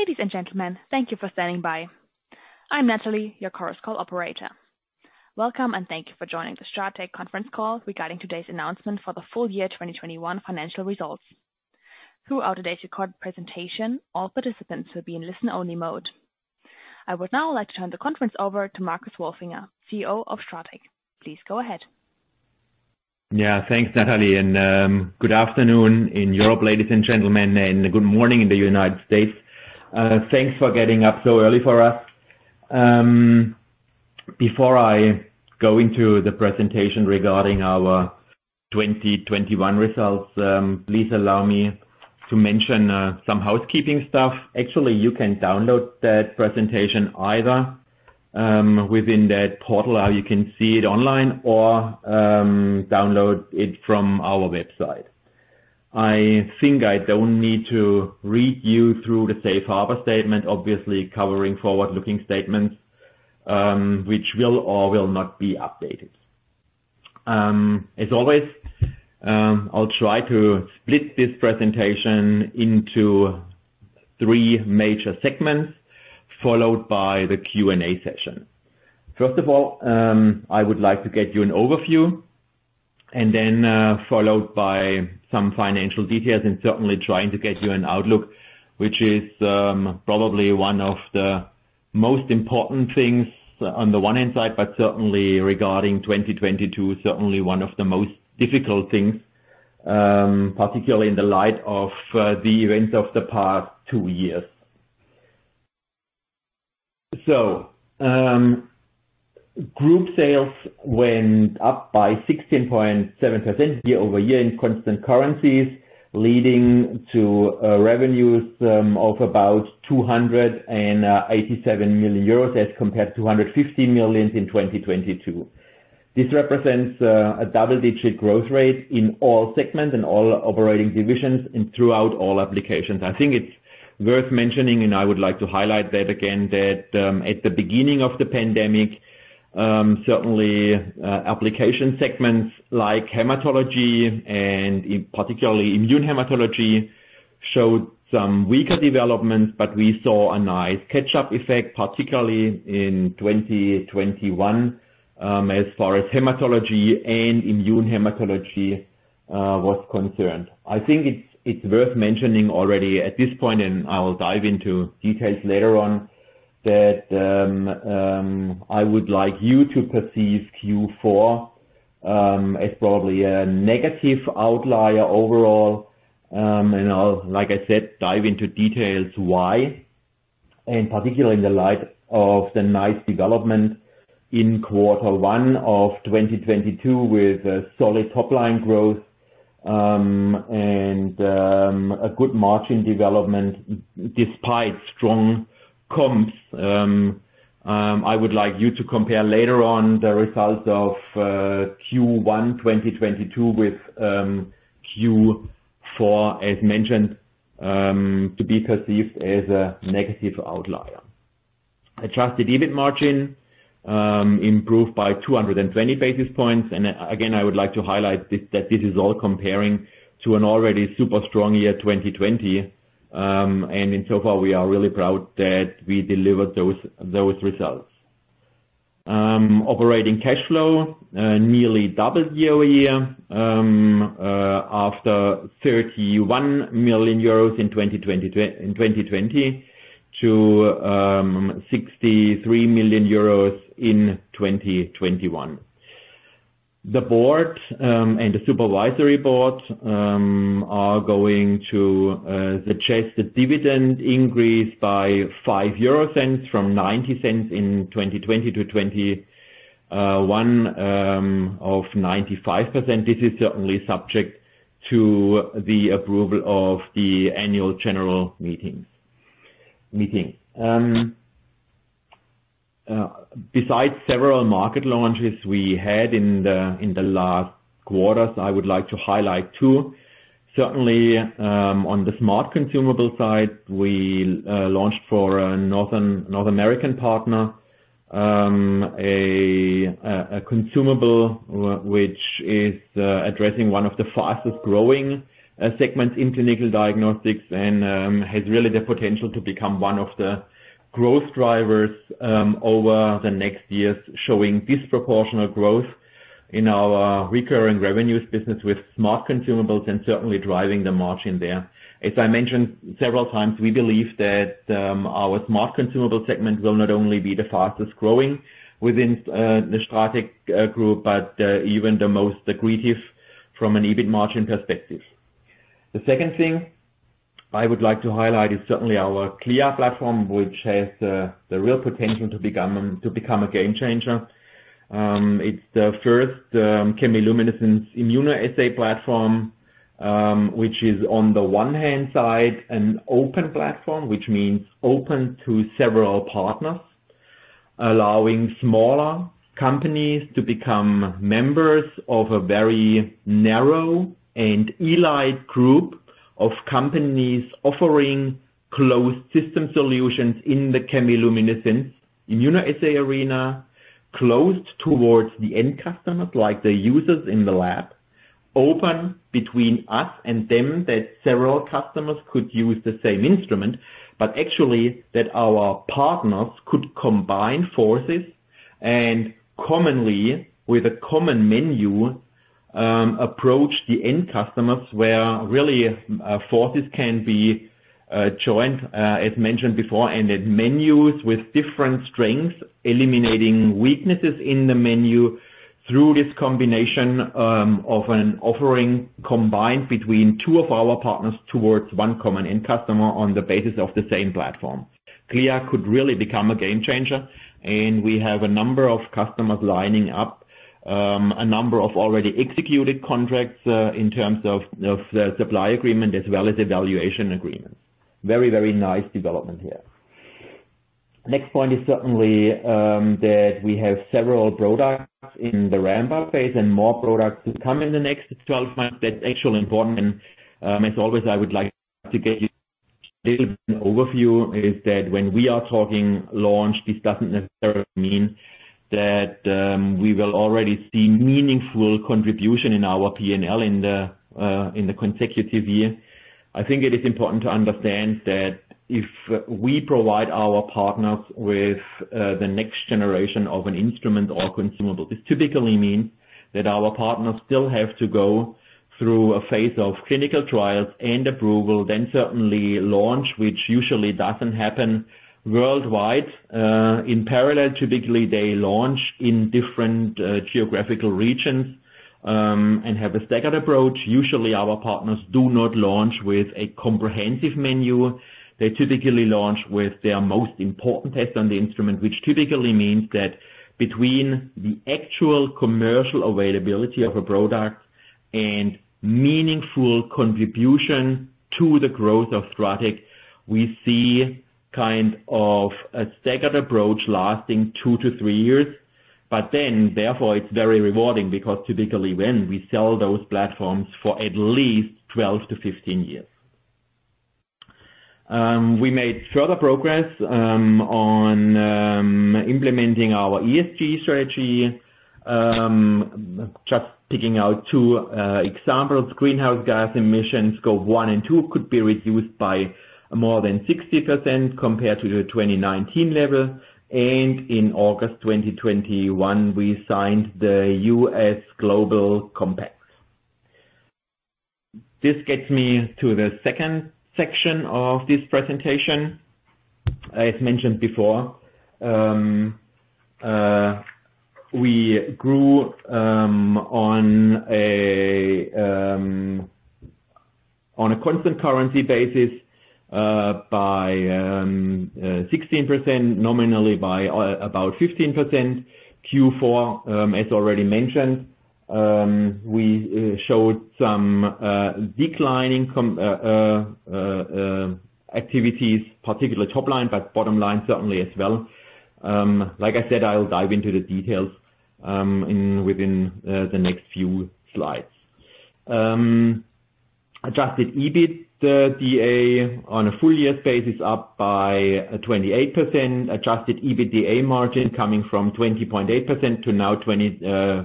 Ladies and gentlemen, thank you for standing by. I'm Natalie, your Chorus Call operator. Welcome, and thank you for joining the STRATEC conference call regarding today's announcement for the full year 2021 financial results. Throughout today's recorded presentation, all participants will be in listen-only mode. I would now like to turn the conference over to Marcus Wolfinger, CEO of STRATEC. Please go ahead. Yeah. Thanks, Natalie, and good afternoon in Europe, ladies and gentlemen, and good morning in the United States. Thanks for getting up so early for us. Before I go into the presentation regarding our 2021 results, please allow me to mention some housekeeping stuff. Actually, you can download that presentation either within that portal how you can see it online or download it from our website. I think I don't need to read you through the safe harbor statement, obviously covering forward-looking statements, which will or will not be updated. As always, I'll try to split this presentation into three major segments, followed by the Q&A session. First of all, I would like to give you an overview, and then followed by some financial details and certainly trying to give you an outlook, which is probably one of the most important things on the one hand side, but certainly regarding 2022, certainly one of the most difficult things, particularly in the light of the events of the past two years. Group sales went up by 16.7% year-over-year in constant currencies, leading to revenues of about 287 million euros as compared to 150 million in 2022. This represents a double-digit growth rate in all segments and all operating divisions and throughout all applications. I think it's worth mentioning, and I would like to highlight that again, that at the beginning of the pandemic, certainly application segments like hematology and, in particular, immunohematology showed some weaker developments, but we saw a nice catch-up effect, particularly in 2021, as far as hematology and immunohematology was concerned. I think it's worth mentioning already at this point, and I will dive into details later on, that I would like you to perceive Q4 as probably a negative outlier overall. I'll, like I said, dive into details why, and particularly in the light of the nice development in quarter one of 2022 with a solid top-line growth, and a good margin development despite strong comps. I would like you to compare later on the results of Q1 2022 with Q4, as mentioned, to be perceived as a negative outlier. Adjusted EBIT margin improved by 220 basis points. Again, I would like to highlight that this is all comparing to an already super strong year, 2020. Insofar, we are really proud that we delivered those results. Operating cash flow nearly doubled year-over-year, after 31 million euros in 2020 to 63 million euros in 2021. The board and the supervisory board are going to suggest the dividend increase by 0.05 from 0.90 in 2020 to 0.95 in 2021. This is certainly subject to the approval of the annual general meeting. Besides several market launches we had in the last quarters, I would like to highlight two. Certainly, on the Smart Consumables side, we launched for a North American partner, a consumable which is addressing one of the fastest-growing segments in clinical diagnostics and has really the potential to become one of the growth drivers over the next years, showing disproportionate growth in our recurring revenues business with smart consumables and certainly driving the margin there. As I mentioned several times, we believe that our smart consumable segment will not only be the fastest-growing within the STRATEC Group, but even the most aggressive from an EBIT margin perspective. The second thing I would like to highlight is certainly our CLIA platform, which has the real potential to become a game changer. It's the first Chemiluminescence immunoassay platform, which is on the one hand side, an open platform, which means open to several partners, allowing smaller companies to become members of a very narrow and elite group of companies offering closed system solutions in the Chemiluminescence immunoassay arena, closed towards the end customers like the users in the lab. Open between us and them that several customers could use the same instrument, but actually that our partners could combine forces and commonly with a common menu approach the end customers where really forces can be joined, as mentioned before, and the menus with different strengths, eliminating weaknesses in the menu through this combination of an offering combined between two of our partners towards one common end customer on the basis of the same platform. CLIA could really become a game changer, and we have a number of customers lining up, a number of already executed contracts, in terms of supply agreements as well as evaluation agreements. Very, very nice development here. Next point is certainly that we have several products in the ramp-up phase and more products to come in the next 12 months. That's actually important. As always, I would like to give you a little bit of an overview, is that when we are talking launch, this doesn't necessarily mean that we will already see meaningful contribution in our PNL in the consecutive year. I think it is important to understand that if we provide our partners with the next generation of an instrument or consumable, this typically means that our partners still have to go through a phase of clinical trials and approval, then certainly launch, which usually doesn't happen worldwide. In parallel, typically, they launch in different geographical regions and have a staggered approach. Usually, our partners do not launch with a comprehensive menu. They typically launch with their most important test on the instrument, which typically means that between the actual commercial availability of a product and meaningful contribution to the growth of STRATEC, we see kind of a staggered approach lasting two to three years. Therefore it's very rewarding because typically when we sell those platforms for at least 12-15 years. We made further progress on implementing our ESG strategy. Just picking out two examples, greenhouse gas emissions, Scope 1 and 2 could be reduced by more than 60% compared to the 2019 level. In August 2021, we signed the UN Global Compact. This gets me to the second section of this presentation. As mentioned before, we grew on a constant currency basis by 16%, nominally by about 15%. Q4, as already mentioned, we showed some decline in commercial activities, particularly top line, but bottom line certainly as well. Like I said, I'll dive into the details within the next few slides. Adjusted EBITDA on a full year basis up by 28%. Adjusted EBITDA margin coming from 20.8% to now 23.2%,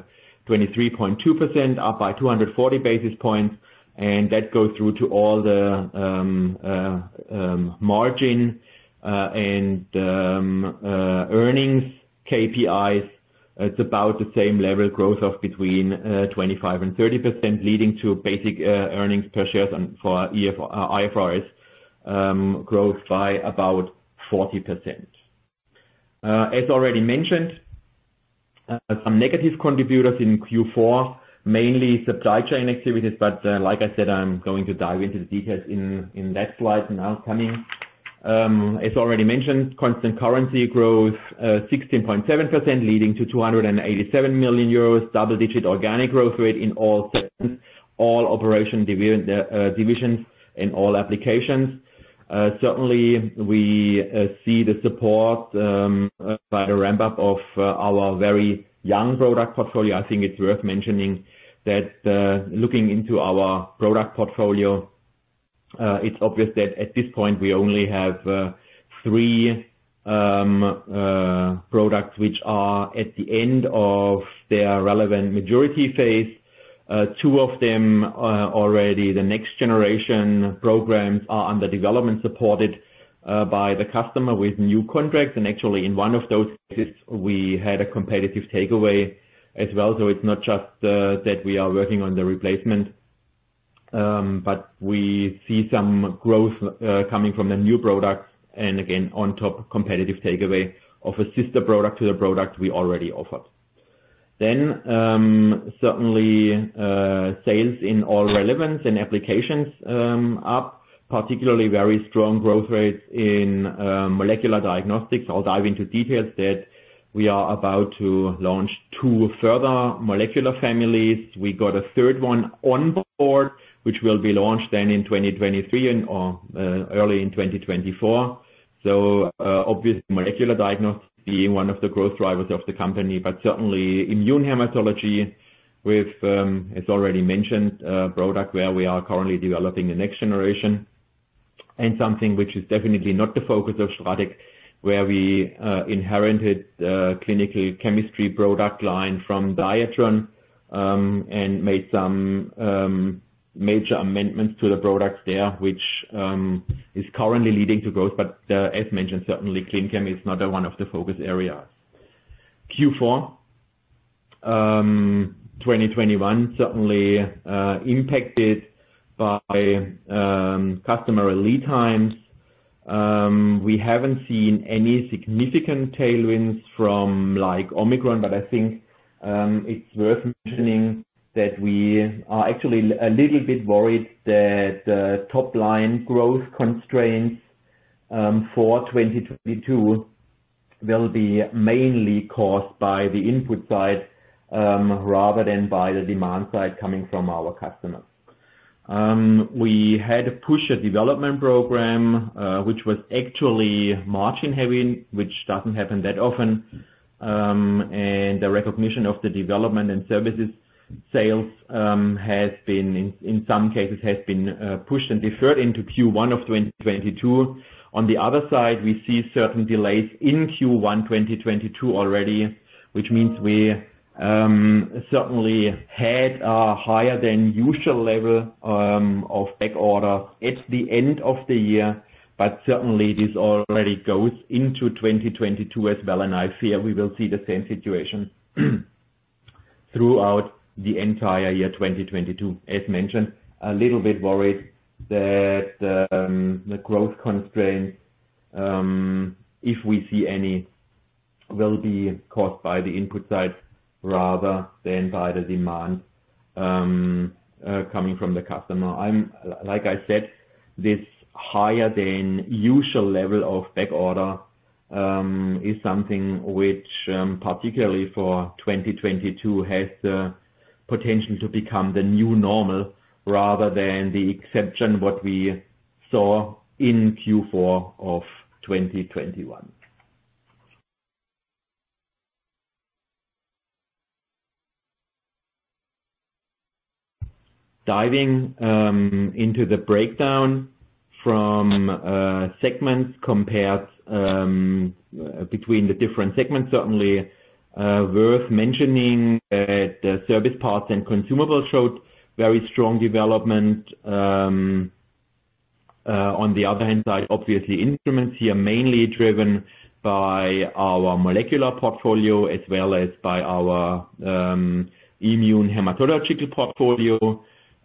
up by 240 basis points. That goes through to all the margin and earnings KPIs. It's about the same level growth of between 25% and 30%, leading to basic earnings per share under IFRS growth by about 40%. As already mentioned, some negative contributors in Q4, mainly supply chain activities, but like I said, I'm going to dive into the details in that slide now coming. As already mentioned, constant currency growth 16.7%, leading to 287 million euros, double-digit organic growth rate in all segments, all operating divisions in all applications. Certainly we see the support by the ramp up of our very young product portfolio. I think it's worth mentioning that looking into our product portfolio, it's obvious that at this point we only have three products which are at the end of their relevant maturity phase. Two of them already the next generation programs are under development supported by the customer with new contracts. Actually in one of those cases, we had a competitive takeaway as well. It's not just that we are working on the replacement, but we see some growth coming from the new products and again, on top competitive takeaway of a sister product to the product we already offer. Certainly, sales in all relevant areas and applications up, particularly very strong growth rates in molecular diagnostics. I'll dive into details that we are about to launch two further molecular families. We got a third one on board, which will be launched then in 2023 or early in 2024. Obviously, molecular diagnostics being one of the growth drivers of the company, but certainly immunohematology with, as already mentioned, a product where we are currently developing the next generation. Something which is definitely not the focus of STRATEC, where we inherited the clinical chemistry product line from Diatron and made some major amendments to the products there, which is currently leading to growth. As mentioned, certainly ClinChem is not one of the focus areas. Q4 2021 certainly impacted by customer lead times. We haven't seen any significant tailwinds from like Omicron, but I think it's worth mentioning that we are actually a little bit worried that top line growth constraints for 2022 will be mainly caused by the input side rather than by the demand side coming from our customers. We had to push a development program which was actually margin-heavy, which doesn't happen that often. The recognition of the Development and Services sales has been, in some cases, pushed and deferred into Q1 of 2022. On the other side, we see certain delays in Q1 2022 already, which means we certainly had a higher than usual level of backorder at the end of the year. Certainly this already goes into 2022 as well. I fear we will see the same situation throughout the entire year, 2022. As mentioned, a little bit worried that the growth constraints, if we see any, will be caused by the input side rather than by the demand coming from the customer. Like I said, this higher than usual level of order backlog is something which, particularly for 2022, has the potential to become the new normal rather than the exception, what we saw in Q4 of 2021. Diving into the breakdown from segments compared between the different segments. Certainly worth mentioning that the Service Parts and Consumables showed very strong development. On the other hand side, obviously instruments here mainly driven by our molecular portfolio as well as by our Immunohematological portfolio,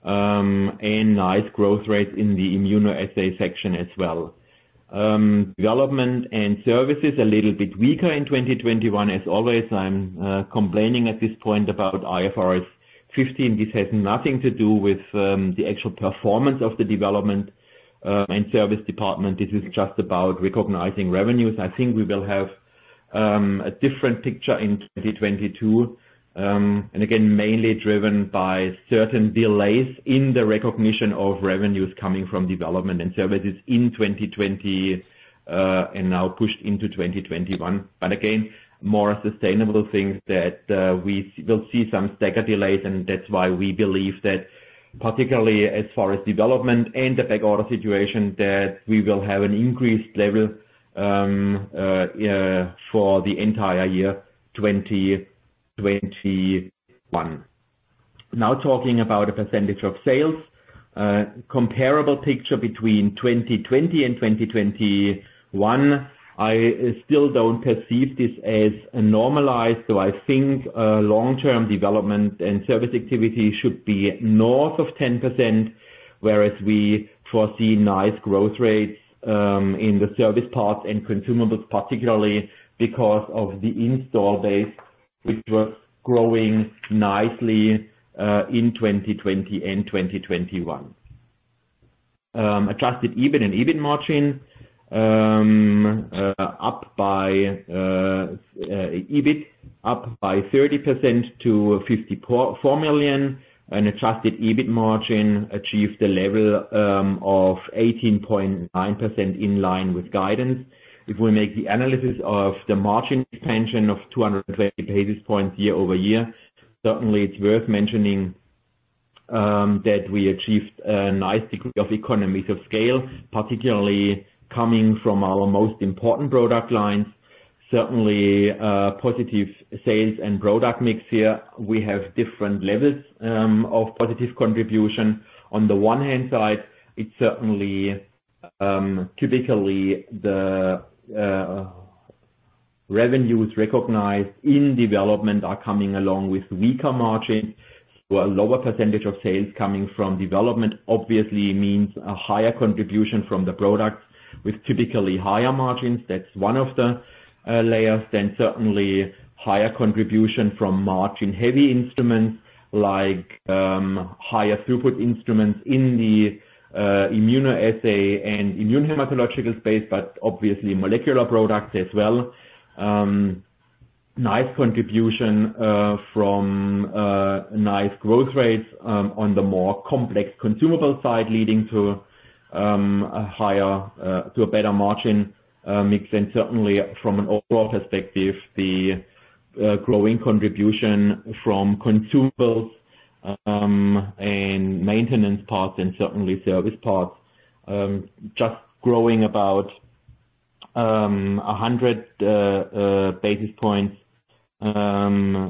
and nice growth rates in the immunoassay section as well. Development and Services a little bit weaker in 2021. As always, I'm complaining at this point about IFRS 15. This has nothing to do with the actual performance of the development and service department. This is just about recognizing revenues. I think we will have a different picture in 2022, and again, mainly driven by certain delays in the recognition of revenues coming from Development and Services in 2020, and now pushed into 2021. Again, more sustainable things that we will see some staggered delays and that's why we believe that particularly as far as development and the order backlog situation, that we will have an increased level for the entire year, 2021. Now talking about a percentage of sales, comparable picture between 2020 and 2021. I still don't perceive this as normalized. I think long-term development and service activity should be north of 10%, whereas we foresee nice growth rates in the service parts and consumables, particularly because of the installed base, which was growing nicely in 2020 and 2021. Adjusted EBIT and EBIT margin up by 30% to 54 million. An adjusted EBIT margin achieved a level of 18.9% in line with guidance. If we make the analysis of the margin expansion of 220 basis points year-over-year, certainly it's worth mentioning that we achieved a nice degree of economies of scale, particularly coming from our most important product lines. Certainly positive sales and product mix here. We have different levels of positive contribution. On the one-hand side, it's certainly typically the revenues recognized in development are coming along with weaker margins. So a lower percentage of sales coming from development obviously means a higher contribution from the products with typically higher margins. That's one of the layers. Then certainly higher contribution from margin-heavy instruments like higher throughput instruments in the immunoassay and immunohematology space, but obviously molecular products as well. Nice contribution from nice growth rates on the more complex consumable side, leading to a higher to a better margin mix. Certainly from an overall perspective, the growing contribution from consumables and maintenance parts and service parts just growing about 100 basis points as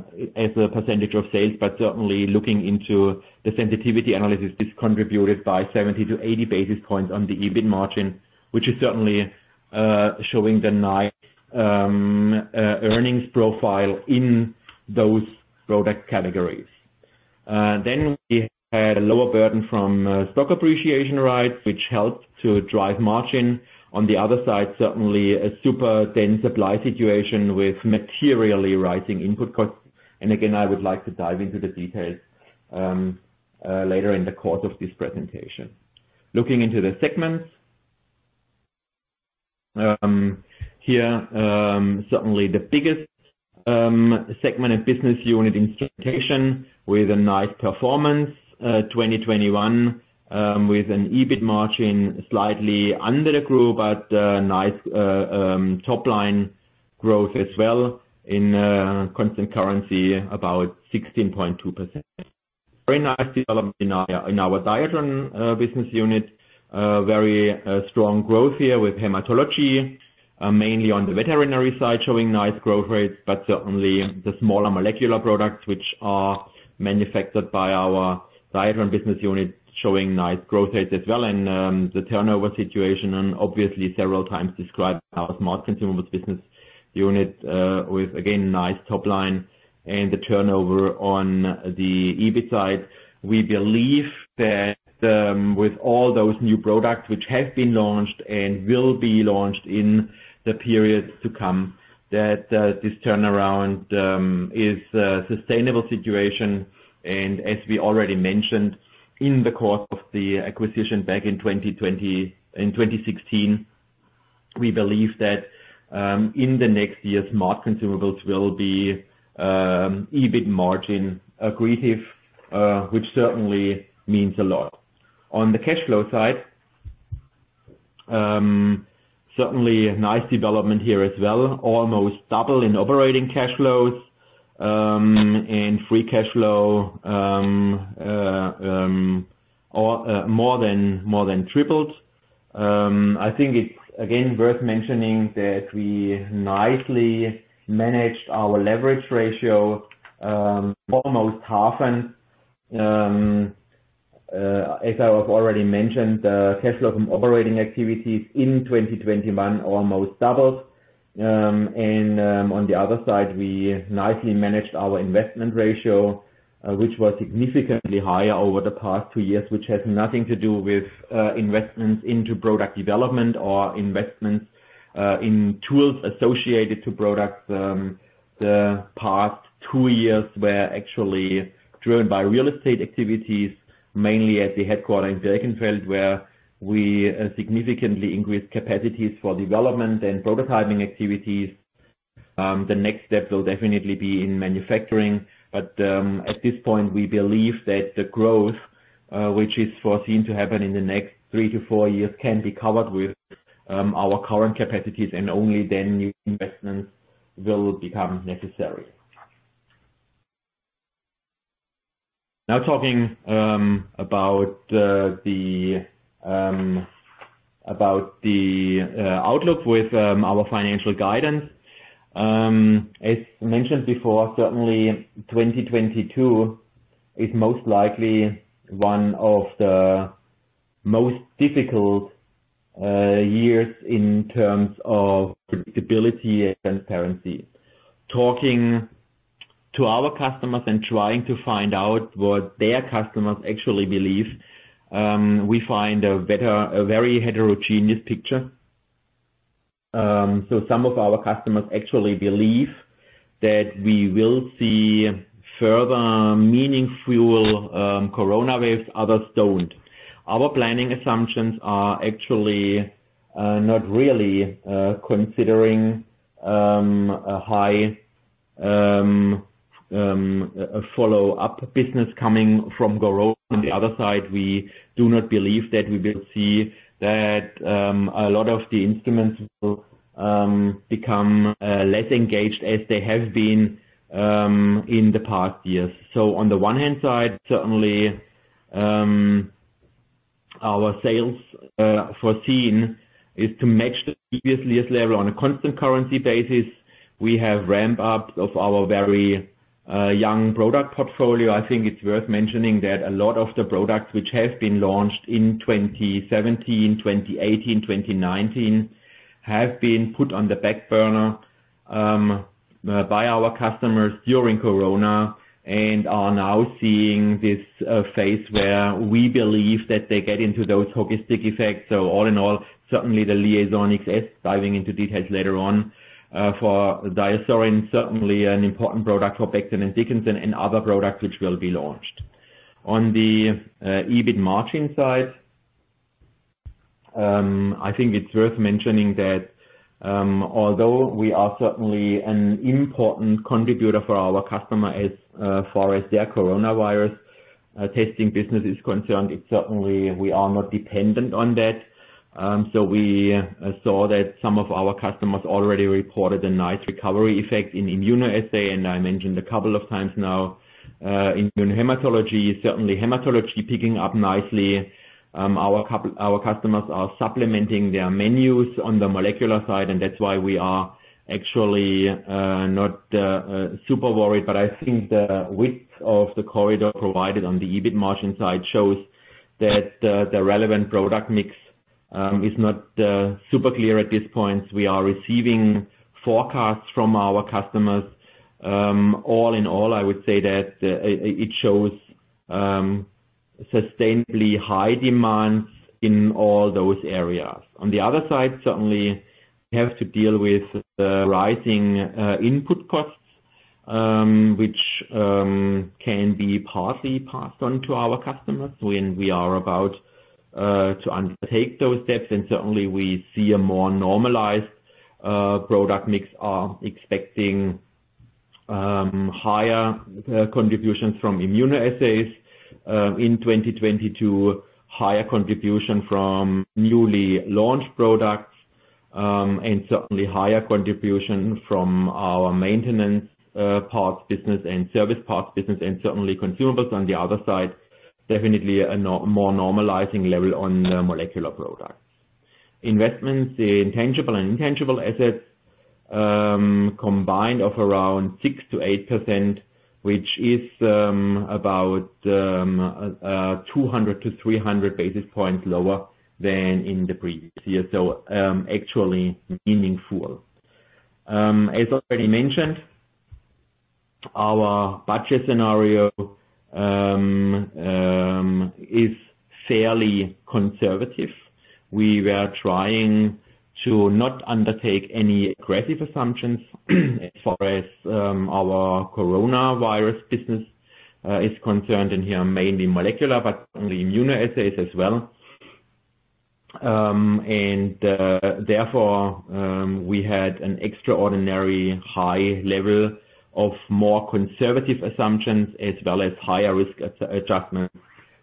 a percentage of sales, but certainly looking into the sensitivity analysis is contributed by 70-80 basis points on the EBIT margin. Which is certainly showing the nice earnings profile in those product categories. We had a lower burden from stock appreciation rights, which helped to drive margin. On the other side, certainly a tight supply situation with materially rising input costs. I would like to dive into the details later in the course of this presentation. Looking into the segments. Here, certainly the biggest segment of business unit Instrumentation with a nice performance, 2021, with an EBIT margin slightly under the group, but nice top line growth as well in constant currency about 16.2%. Very nice development in our Diatron business unit. Very strong growth here with hematology, mainly on the veterinary side, showing nice growth rates, but certainly the smaller molecular products, which are manufactured by our Diatron business unit, showing nice growth rates as well. The turnover situation and obviously several times described our smart consumables business unit, with again, nice top line and the turnover on the EBIT side. We believe that, with all those new products which have been launched and will be launched in the periods to come, that, this turnaround, is a sustainable situation. As we already mentioned in the course of the acquisition back in 2016, we believe that, in the next years, more consumables will be, EBIT margin accretive, which certainly means a lot. On the cash flow side, certainly nice development here as well, almost double in operating cash flows, and free cash flow, or more than tripled. I think it's again, worth mentioning that we nicely managed our leverage ratio, almost half. As I've already mentioned, cash flow from operating activities in 2021 almost doubled. On the other side, we nicely managed our investment ratio, which was significantly higher over the past two years, which has nothing to do with investments into product development or investments in tools associated to products. The past two years were actually driven by real estate activities, mainly at the headquarters in Birkenfeld, where we significantly increased capacities for development and prototyping activities. The next step will definitely be in manufacturing, but at this point, we believe that the growth, which is foreseen to happen in the next three to four years, can be covered with our current capacities, and only then new investments will become necessary. Now talking about the outlook with our financial guidance. As mentioned before, certainly 2022 is most likely one of the most difficult years in terms of predictability and transparency. Talking to our customers and trying to find out what their customers actually believe, we find a very heterogeneous picture. Some of our customers actually believe that we will see further meaningful coronavirus, others don't. Our planning assumptions are actually not really considering a high follow-up business coming from Corona. On the other side, we do not believe that we will see that a lot of the instruments will become less engaged as they have been in the past years. On the one hand side, certainly our sales forecast is to match the previous year's level on a constant currency basis. We have ramped up our very young product portfolio. I think it's worth mentioning that a lot of the products which have been launched in 2017, 2018, 2019 have been put on the back burner by our customers during Corona and are now seeing this phase where we believe that they get into those heuristic effects. All in all, certainly the LIAISON XS, diving into details later on, for DiaSorin, certainly an important product for Becton Dickinson and other products which will be launched. On the EBIT margin side, I think it's worth mentioning that, although we are certainly an important contributor for our customer as far as their coronavirus testing business is concerned, it certainly we are not dependent on that. We saw that some of our customers already reported a nice recovery effect in immunoassay, and I mentioned a couple of times now, immunohematology, certainly hematology picking up nicely. Our customers are supplementing their menus on the molecular side, and that's why we are actually not super worried. I think the width of the corridor provided on the EBIT margin side shows that the relevant product mix is not super clear at this point. We are receiving forecasts from our customers. All in all, I would say that it shows sustainably high demands in all those areas. On the other side, certainly we have to deal with the rising input costs, which can be partly passed on to our customers when we are about to undertake those steps. Certainly we see a more normalized product mix. We're expecting higher contributions from immunoassays in 2020, too, higher contribution from newly launched products, and certainly higher contribution from our maintenance parts business and service parts business, and certainly consumables on the other side. Definitely a more normalizing level on the molecular products. Investments in tangible and intangible assets combined of around 6%-8%, which is about 200-300 basis points lower than in the previous year, so actually meaningful. As already mentioned, our budget scenario is fairly conservative. We were trying to not undertake any aggressive assumptions as far as our coronavirus business is concerned, and here mainly molecular, but also immunoassays as well. Therefore, we had an extraordinarily high level of more conservative assumptions as well as higher risk adjustment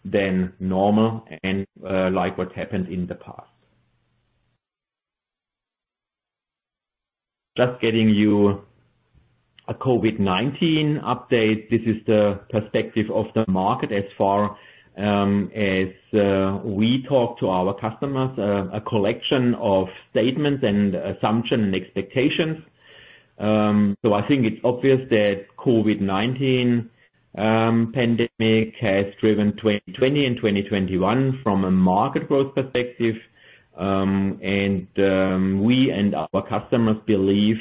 than normal and like what happened in the past. Just getting you a COVID-19 update. This is the perspective of the market as far as we talk to our customers, a collection of statements and assumptions and expectations. I think it's obvious that COVID-19 pandemic has driven 2020 and 2021 from a market growth perspective. We and our customers believe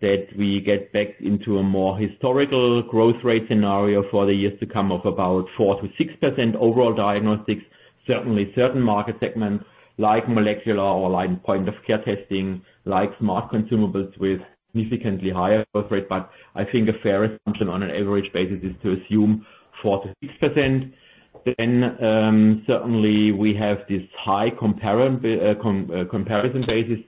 that we get back into a more historical growth rate scenario for the years to come of about 4%-6% overall diagnostics. Certainly certain market segments like molecular or like point of care testing, like smart consumables with significantly higher growth rate. I think a fair assumption on an average basis is to assume 4%-6%. Certainly we have this high comparison basis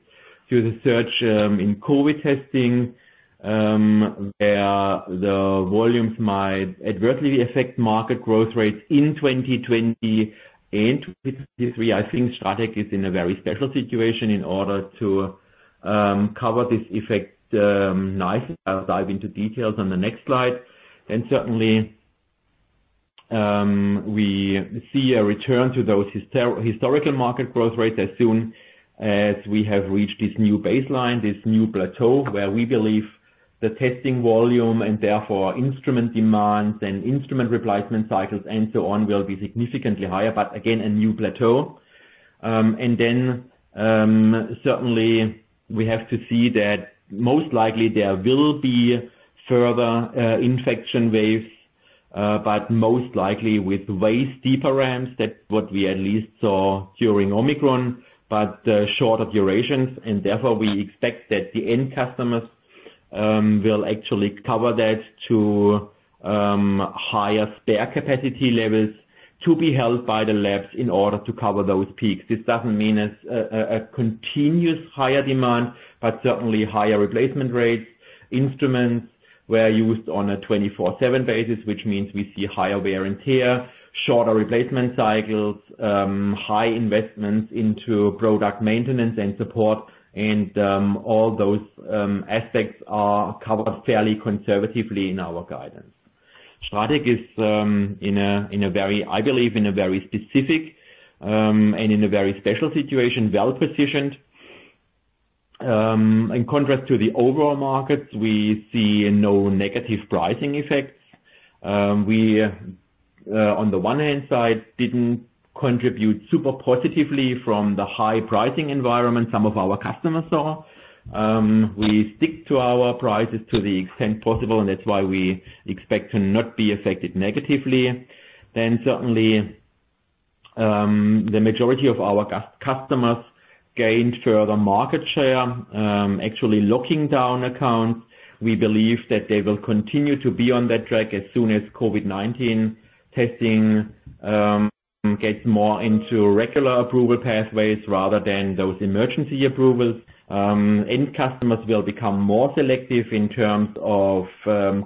to the surge in COVID testing, where the volumes might adversely affect market growth rates in 2020 and 2023. I think STRATEC is in a very special situation in order to cover this effect nicely. I'll dive into details on the next slide. We see a return to those historical market growth rates as soon as we have reached this new baseline, this new plateau, where we believe the testing volume and therefore instrument demands and instrument replacement cycles and so on, will be significantly higher. Again, a new plateau. Certainly we have to see that most likely there will be further infection waves, but most likely with way steeper ramps. That's what we at least saw during Omicron, but shorter durations. Therefore we expect that the end customers will actually cover that to higher spare capacity levels to be held by the labs in order to cover those peaks. This doesn't mean it's a continuous higher demand, but certainly higher replacement rates. Instruments were used on a 24/7 basis, which means we see higher wear and tear, shorter replacement cycles, high investments into product maintenance and support. All those aspects are covered fairly conservatively in our guidance. STRATEC is in a very, I believe, in a very specific and in a very special situation, well-positioned. In contrast to the overall markets, we see no negative pricing effects. We, on the one hand side, didn't contribute super positively from the high pricing environment some of our customers saw. We stick to our prices to the extent possible, and that's why we expect to not be affected negatively. Certainly, the majority of our customers gain further market share, actually locking down accounts. We believe that they will continue to be on that track as soon as COVID-19 testing gets more into regular approval pathways rather than those emergency approvals. End customers will become more selective in terms of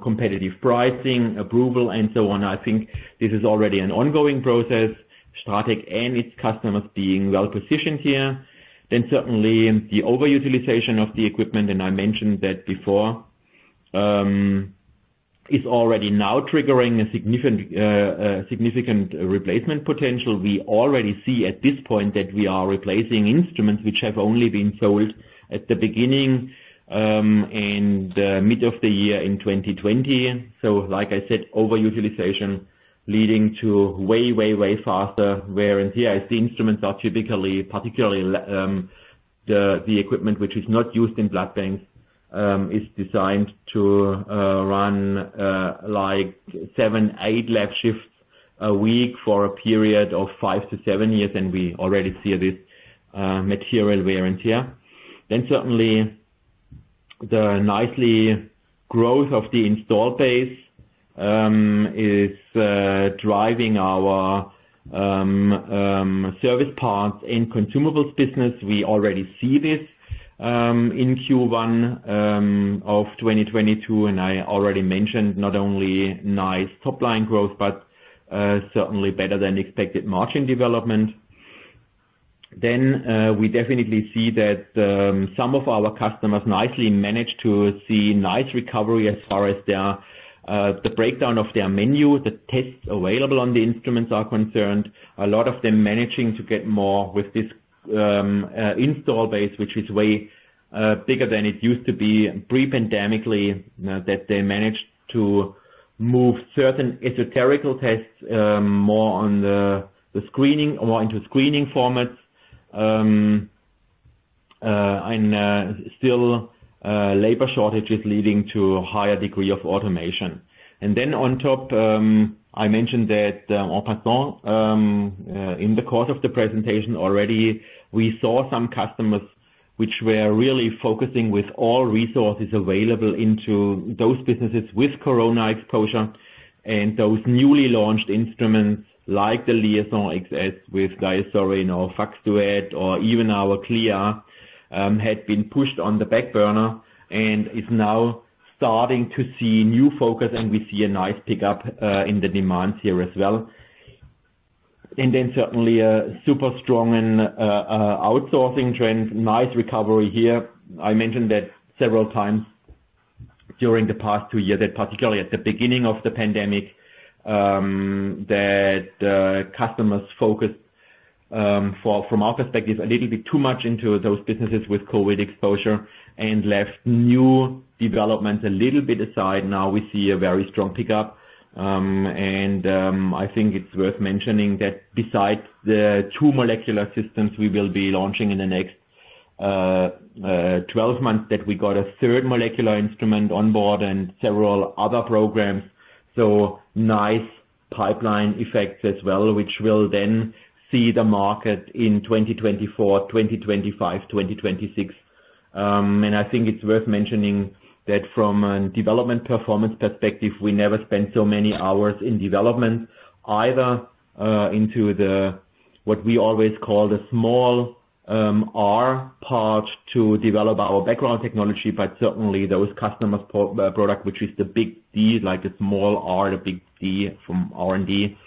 competitive pricing, approval and so on. I think this is already an ongoing process. STRATEC and its customers being well-positioned here. Certainly the overutilization of the equipment, and I mentioned that before, is already now triggering a significant replacement potential. We already see at this point that we are replacing instruments which have only been sold at the beginning and mid of the year in 2020. Like I said, overutilization leading to way faster wear. Yes, the instruments are typically, particularly the equipment which is not used in blood banks, is designed to run like seven, eight lab shifts a week for a period of five to seven years. We already see this material wear and tear. Certainly the nice growth of the install base is driving our Service Parts and Consumables business. We already see this in Q1 of 2022, and I already mentioned not only nice top line growth, but certainly better than expected margin development. We definitely see that some of our customers nicely managed to see nice recovery as far as their, the breakdown of their menu, the tests available on the instruments are concerned. A lot of them managing to get more with this installed base, which is way bigger than it used to be pre-pandemically. That they managed to move certain esoteric tests more on the screening or into screening formats, and still labor shortages leading to higher degree of automation. On top, I mentioned that in passing in the course of the presentation already, we saw some customers which were really focusing with all resources available into those businesses with corona exposure. Those newly launched instruments like the LIAISON XS with DiaSorin or BD FACSDuet or even our CLIA had been pushed on the back burner and is now starting to see new focus, and we see a nice pickup in the demands here as well. Certainly a super strong outsourcing trend. Nice recovery here. I mentioned that several times during the past two years that particularly at the beginning of the pandemic, that customers focused from our perspective a little bit too much into those businesses with COVID exposure and left new developments a little bit aside. Now we see a very strong pickup. I think it's worth mentioning that besides the two molecular systems we will be launching in the next 12 months, that we got a third molecular instrument on board and several other programs. Nice pipeline effects as well, which will then see the market in 2024, 2025, 2026. I think it's worth mentioning that from a development performance perspective, we never spent so many hours in development either, into the what we always call the small R part to develop our background technology. But certainly those customers' product, which is the big D, like the small r, the big D from R&D.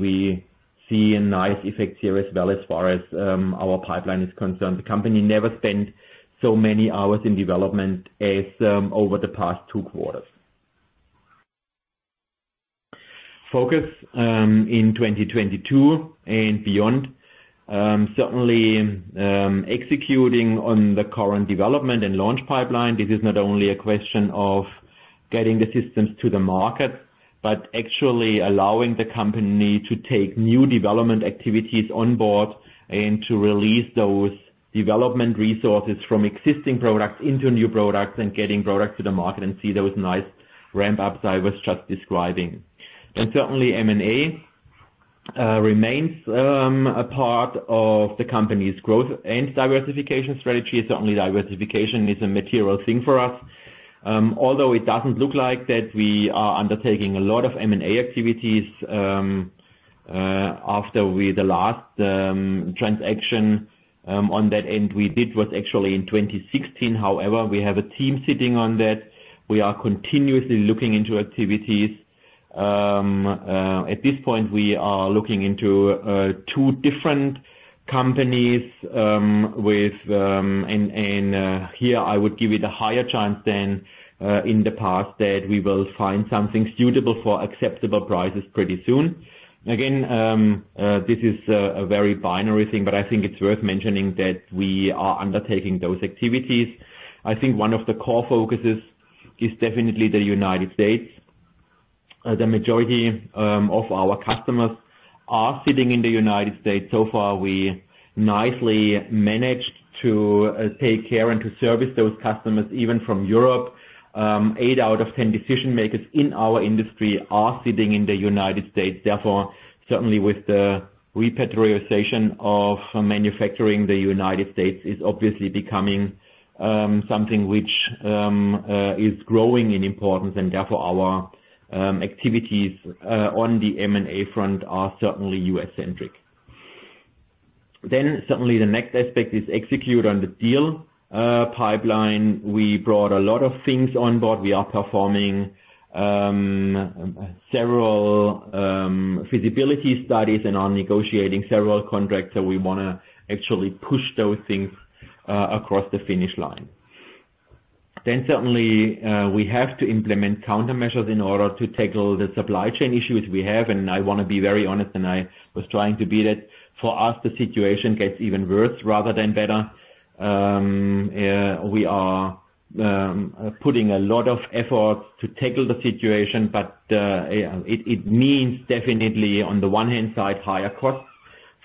We see a nice effect here as well as far as our pipeline is concerned. The company never spent so many hours in development as over the past two quarters. Focus in 2022 and beyond. Certainly executing on the current development and launch pipeline. This is not only a question of getting the systems to the market, but actually allowing the company to take new development activities on board and to release those development resources from existing products into new products and getting products to the market and see those nice ramp ups I was just describing. Certainly M&A remains a part of the company's growth and diversification strategy. Certainly diversification is a material thing for us. Although it doesn't look like that we are undertaking a lot of M&A activities after the last transaction on that end we did was actually in 2016. However, we have a team sitting on that. We are continuously looking into activities. At this point we are looking into two different companies, and here I would give it a higher chance than in the past that we will find something suitable for acceptable prices pretty soon. Again, this is a very binary thing, but I think it's worth mentioning that we are undertaking those activities. I think one of the core focuses is definitely the United States. The majority of our customers are sitting in the United States. So far, we nicely managed to take care and to service those customers, even from Europe. Eight out of 10 decision-makers in our industry are sitting in the United States. Therefore, certainly with the repatriation of manufacturing, the United States is obviously becoming something which is growing in importance and therefore our activities on the M&A front are certainly US-centric. Certainly the next aspect is execute on the deal pipeline. We brought a lot of things on board. We are performing several feasibility studies and are negotiating several contracts, so we wanna actually push those things across the finish line. We have to implement countermeasures in order to tackle the supply chain issues we have. I wanna be very honest, and I was trying to be that. For us, the situation gets even worse rather than better. We are putting a lot of effort to tackle the situation, but it means definitely on the one hand side, higher costs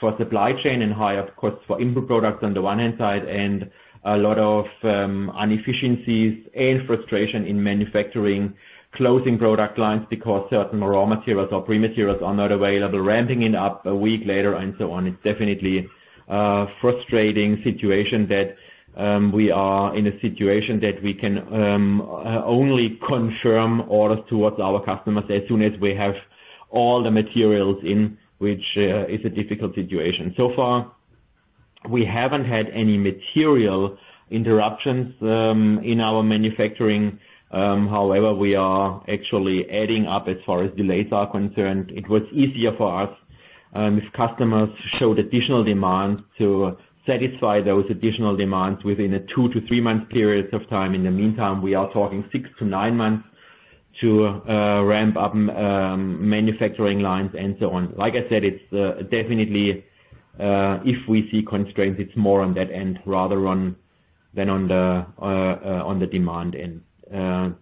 for supply chain and higher costs for input products on the one hand side and a lot of inefficiencies and frustration in manufacturing, closing product lines because certain raw materials or pre-materials are not available, ramping it up a week later and so on. It's definitely a frustrating situation that we are in a situation that we can only confirm orders towards our customers as soon as we have all the materials in which is a difficult situation. So far, we haven't had any material interruptions in our manufacturing. However, we are actually adding up as far as delays are concerned. It was easier for us if customers showed additional demand to satisfy those additional demands within a two to three month period of time. In the meantime, we are talking six to nine months to ramp up manufacturing lines and so on. Like I said, it's definitely if we see constraints, it's more on that end rather than on the demand end.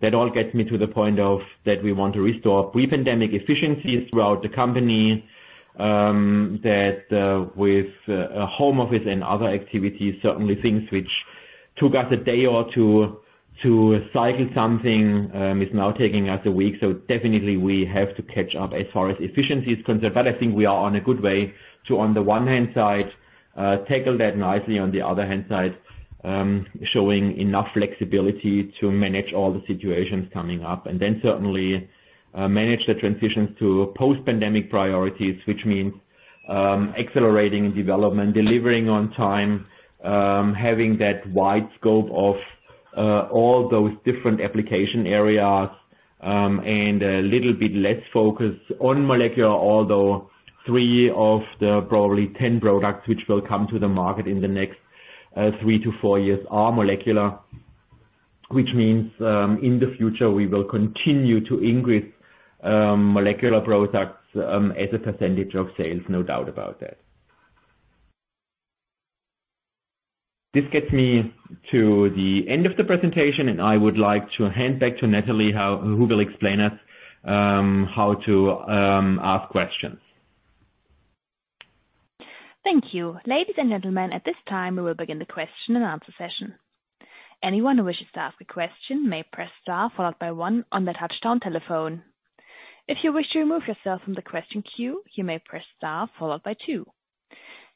That all gets me to the point that we want to restore pre-pandemic efficiencies throughout the company, that with a home office and other activities, certainly things which took us a day or two to cycle something is now taking us a week. Definitely we have to catch up as far as efficiency is concerned. I think we are on a good way to, on the one hand side, tackle that nicely, on the other hand side, showing enough flexibility to manage all the situations coming up. Then certainly, manage the transitions to post-pandemic priorities, which means, accelerating development, delivering on time, having that wide scope of, all those different application areas, and a little bit less focus on molecular. Although three of the probably 10 products which will come to the market in the next, three to four years are molecular, which means, in the future, we will continue to increase, molecular products, as a percentage of sales, no doubt about that. This gets me to the end of the presentation, and I would like to hand back to Natalie now, who will explain to us how to ask questions. Thank you. Ladies and gentlemen, at this time, we will begin the question and answer session. Anyone who wishes to ask a question may press star followed by one on their touchtone telephone. If you wish to remove yourself from the question queue, you may press star followed by two.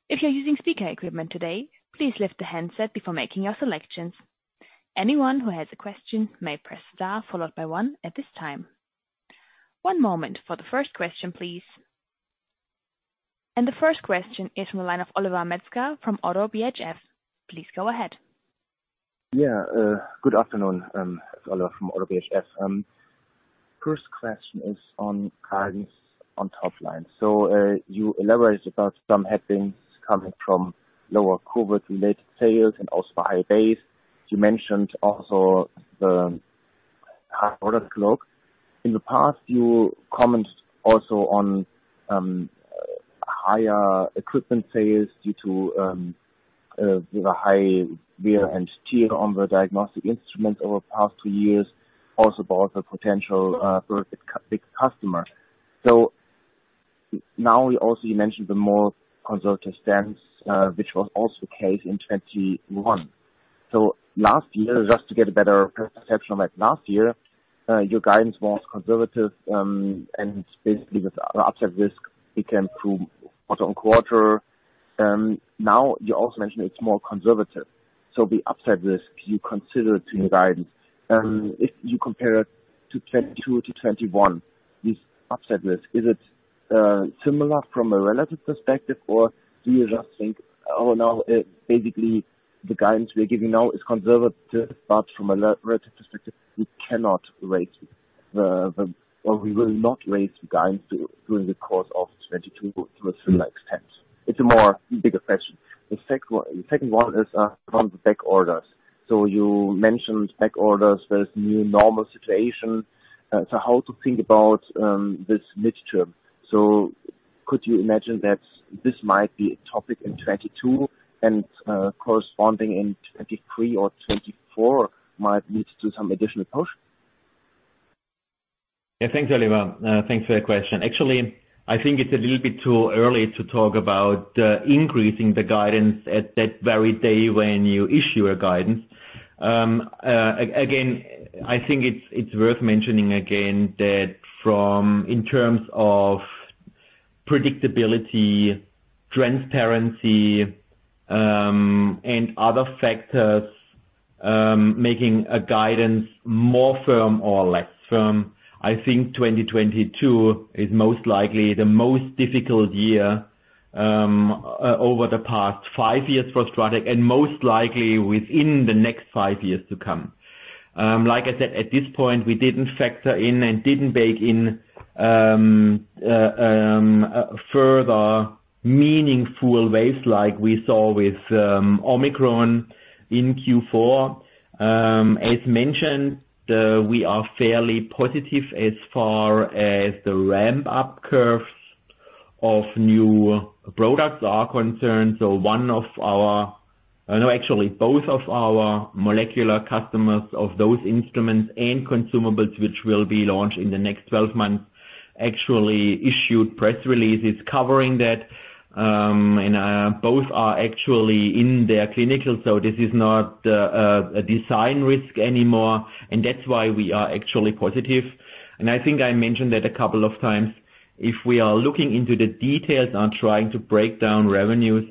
If you're using speaker equipment today, please lift the handset before making your selections. Anyone who has a question may press star followed by one at this time. One moment for the first question, please. The first question is from the line of Oliver Metzger from Oddo BHF. Please go ahead. Good afternoon. It's Oliver from ODDO BHF. First question is on guidance on top line. You elaborated about some headings coming from lower COVID-related sales and also high base. You mentioned also the high order backlog. In the past, you commented also on higher equipment sales due to the high wear and tear on the diagnostic instruments over the past two years, also about the potential for a big customer. Now you also mentioned the more conservative stance, which was also the case in 2021. Last year, just to get a better perception on, like, last year, your guidance was conservative, and basically with the upside risk, it came through quarter-on-quarter. Now you also mentioned it's more conservative. The upside risk you consider to your guidance, if you compare it to 2022 to 2021, this upside risk, is it similar from a relative perspective? Or do you just think now basically the guidance we're giving now is conservative, but from a relative perspective, we cannot raise or we will not raise the guidance during the course of 2022 to a similar extent. It's a more bigger question. The second one is from the back orders. You mentioned back orders. There's new normal situation. How to think about this midterm? Could you imagine that this might be a topic in 2022 and corresponding in 2023 or 2024 might lead to some additional push? Yeah, thanks, Oliver. Thanks for that question. Actually, I think it's a little bit too early to talk about increasing the guidance at that very day when you issue a guidance. Again, I think it's worth mentioning again that from, in terms of predictability, transparency, and other factors, making a guidance more firm or less firm, I think 2022 is most likely the most difficult year over the past five years for STRATEC and most likely within the next five years to come. Like I said, at this point, we didn't factor in and didn't bake in further meaningful waves like we saw with Omicron in Q4. As mentioned, we are fairly positive as far as the ramp-up curves of new products are concerned. One of our No, actually both of our molecular customers of those instruments and consumables which will be launched in the next 12 months, actually issued press releases covering that. Both are actually in their clinical, so this is not a design risk anymore, and that's why we are actually positive. I think I mentioned it a couple of times, if we are looking into the details on trying to break down revenues,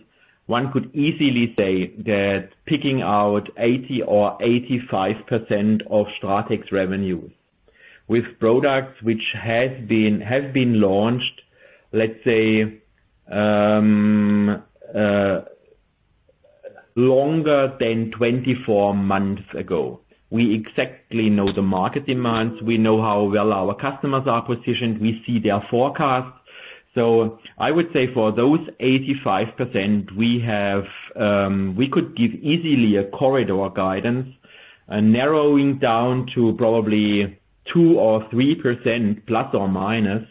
one could easily say that picking out 80% or 85% of STRATEC's revenues with products which have been launched, let's say, longer than 24 months ago. We exactly know the market demands. We know how well our customers are positioned. We see their forecasts. I would say for those 85%, we could give easily a corridor guidance and narrowing down to probably 2% or 3%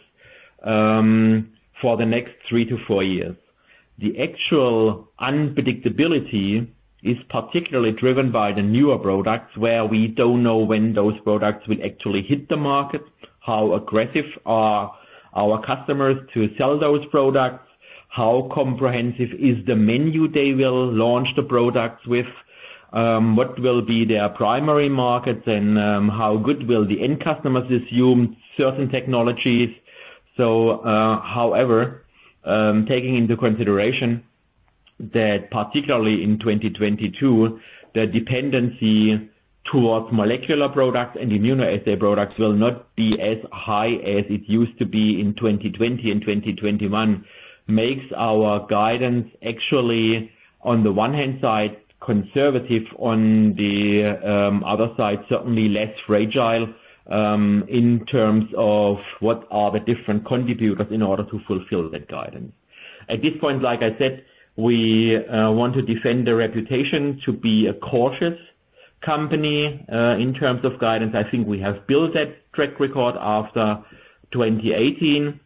± for the next three to four years. The actual unpredictability is particularly driven by the newer products, where we don't know when those products will actually hit the market, how aggressive are our customers to sell those products, how comprehensive is the menu they will launch the products with, what will be their primary markets, and how good will the end customers assume certain technologies. However, taking into consideration that particularly in 2022, the dependency towards molecular products and immunoassay products will not be as high as it used to be in 2020 and 2021, makes our guidance actually, on the one hand side, conservative, on the other side, certainly less fragile, in terms of what are the different contributors in order to fulfill that guidance. At this point, like I said, we want to defend the reputation to be a cautious company in terms of guidance. I think we have built that track record after 2018,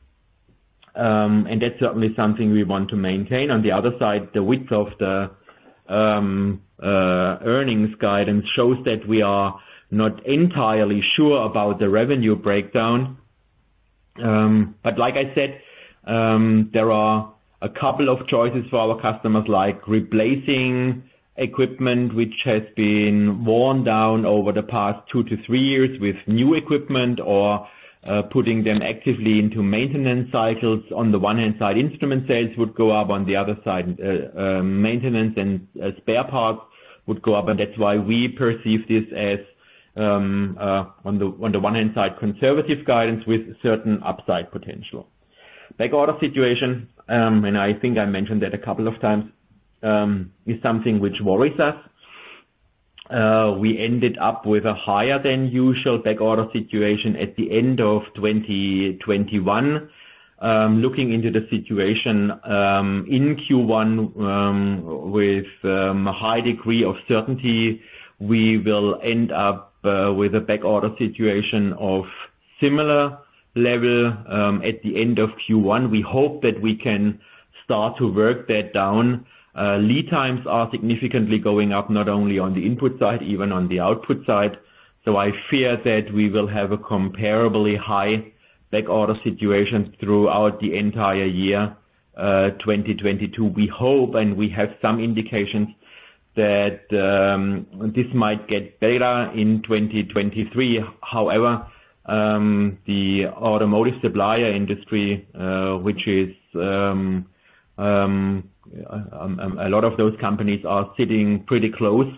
and that's certainly something we want to maintain. On the other side, the width of the earnings guidance shows that we are not entirely sure about the revenue breakdown. Like I said, there are a couple of choices for our customers, like replacing equipment which has been worn down over the past two to three years with new equipment or putting them actively into maintenance cycles. On the one hand side, instrument sales would go up. On the other side, maintenance and spare parts would go up. That's why we perceive this as on the one hand side conservative guidance with certain upside potential. Order backlog, I think I mentioned it a couple of times, is something which worries us. We ended up with a higher than usual order backlog at the end of 2021. Looking into the situation in Q1 with a high degree of certainty, we will end up with a back order situation of similar level at the end of Q1. We hope that we can start to work that down. Lead times are significantly going up, not only on the input side, even on the output side. I fear that we will have a comparably high back order situation throughout the entire year 2022. We hope and we have some indications that this might get better in 2023. However, the automotive supplier industry, which is a lot of those companies are sitting pretty close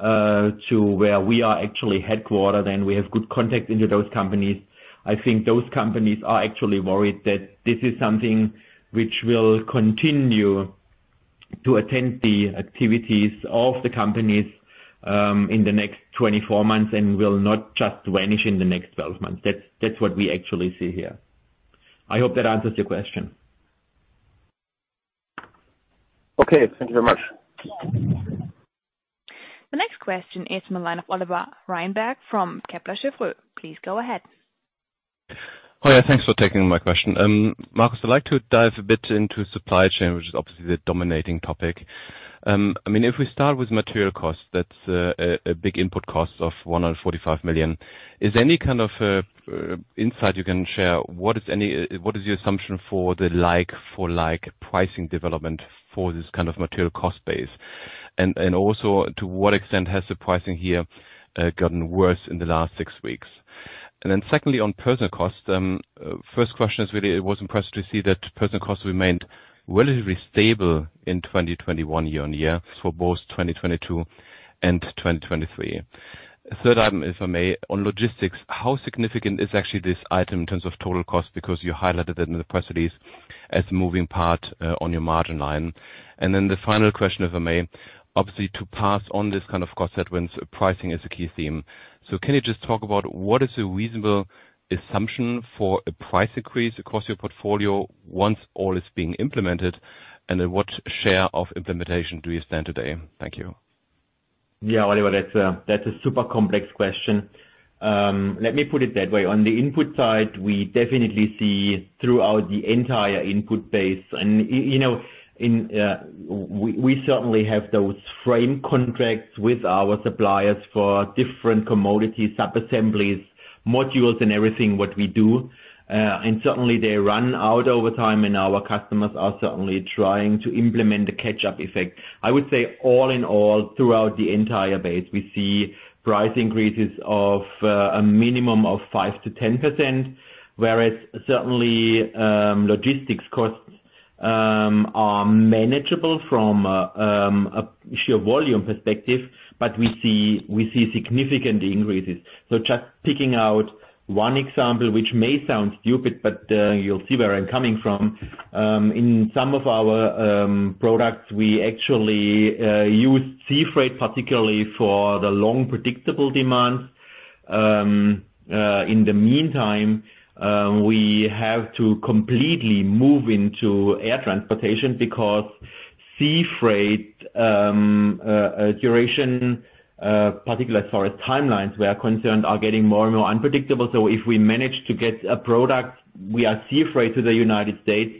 to where we are actually headquartered, and we have good contact into those companies. I think those companies are actually worried that this is something which will continue to attend the activities of the companies in the next 24 months and will not just vanish in the next 12 months. That's what we actually see here. I hope that answers your question. Okay, thank you very much. Next question is from the line of Oliver Reinberg from Kepler Cheuvreux. Please go ahead. Oh, yeah, thanks for taking my question. Marcus, I'd like to dive a bit into supply chain, which is obviously the dominating topic. I mean, if we start with material costs, that's a big input cost of 145 million. Is there any kind of insight you can share? What is your assumption for the like for like pricing development for this kind of material cost base? And also, to what extent has the pricing here gotten worse in the last six weeks? And then secondly, on personnel costs, first question is, really, I was impressed to see that personnel costs remained relatively stable in 2021 year-over-year for both 2022 and 2023. Third item, if I may, on logistics, how significant is actually this item in terms of total cost? Because you highlighted it in the press release as a moving part on your margin line. Then the final question, if I may. Obviously, to pass on this kind of cost headwinds, pricing is a key theme. Can you just talk about what is a reasonable assumption for a price increase across your portfolio once all is being implemented, and then what share of implementation do you stand today? Thank you. Yeah, Oliver, that's a super complex question. Let me put it that way. On the input side, we definitely see throughout the entire input base. You know, in, we certainly have those frame contracts with our suppliers for different commodity sub-assemblies, modules, and everything what we do, and certainly they run out over time, and our customers are certainly trying to implement the catch-up effect. I would say all in all, throughout the entire base, we see price increases of a minimum of 5%-10%, whereas certainly logistics costs are manageable from a sheer volume perspective, but we see significant increases. So just picking out one example, which may sound stupid, but you'll see where I'm coming from. In some of our products, we actually use sea freight, particularly for the long, predictable demands. In the meantime, we have to completely move into air transportation because sea freight duration, particularly as far as timelines are concerned, are getting more and more unpredictable. If we manage to get a product, we use sea freight to the United States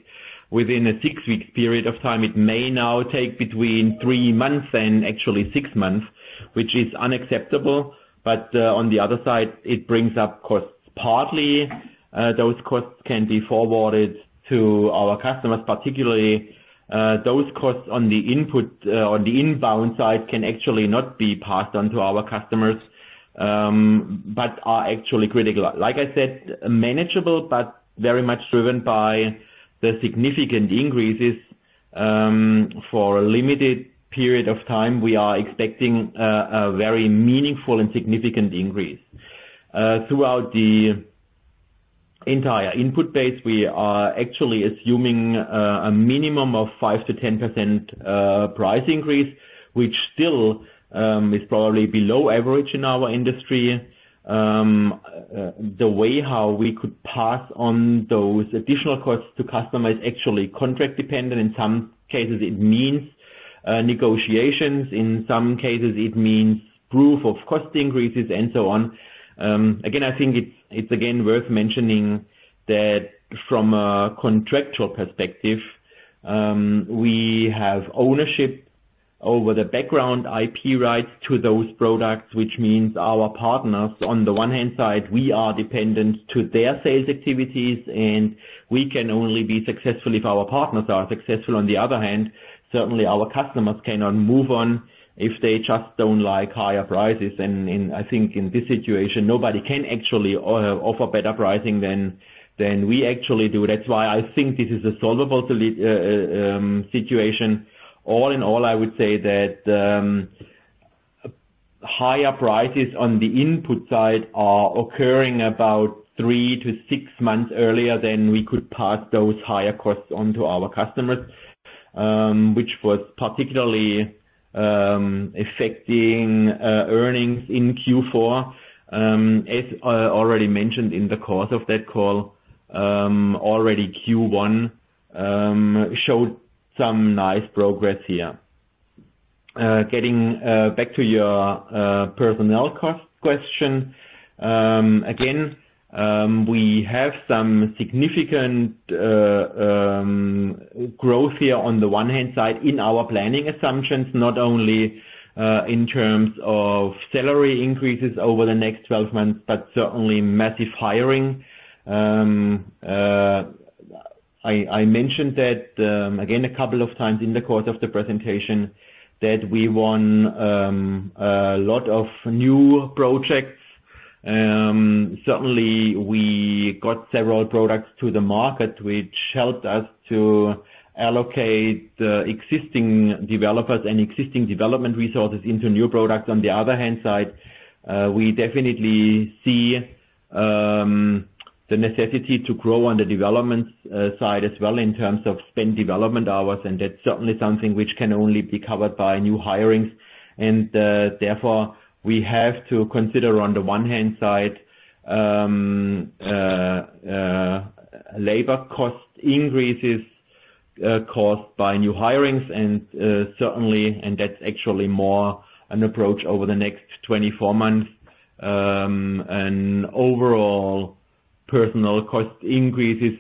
within a six-week period of time. It may now take between three months and actually six months, which is unacceptable. On the other side, it brings up costs. Partly, those costs can be forwarded to our customers. Particularly, those costs on the inbound side can actually not be passed on to our customers, but are actually critical. Like I said, manageable, but very much driven by the significant increases. For a limited period of time, we are expecting a very meaningful and significant increase. Throughout the entire input base, we are actually assuming a minimum of 5%-10% price increase, which still is probably below average in our industry. The way how we could pass on those additional costs to customers is actually contract dependent. In some cases, it means negotiations. In some cases, it means proof of cost increases and so on. Again, I think it's again worth mentioning that from a contractual perspective, we have ownership over the background IP rights to those products, which means our partners, on the one hand side, we are dependent to their sales activities, and we can only be successful if our partners are successful. On the other hand, certainly our customers cannot move on if they just don't like higher prices. I think in this situation, nobody can actually offer better pricing than we actually do. That's why I think this is a solvable situation. All in all, I would say that higher prices on the input side are occurring about three to six months earlier than we could pass those higher costs on to our customers, which was particularly affecting earnings in Q4. As I already mentioned in the course of that call, already Q1 showed some nice progress here. Getting back to your personnel cost question. Again, we have some significant growth here on the one-hand side in our planning assumptions, not only in terms of salary increases over the next 12 months, but certainly massive hiring. I mentioned that again a couple of times in the course of the presentation that we won a lot of new projects. Certainly we got several products to the market, which helped us to allocate existing developers and existing development resources into new products. On the other hand side, we definitely see the necessity to grow on the development side as well in terms of spend development hours, and that's certainly something which can only be covered by new hirings. Therefore, we have to consider on the one hand side, labor cost increases caused by new hirings and certainly, and that's actually more an approach over the next 24 months, an overall personnel cost increases,